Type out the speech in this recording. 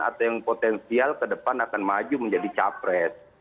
atau yang potensial ke depan akan maju menjadi capres